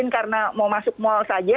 mungkin karena mau masuk mall saja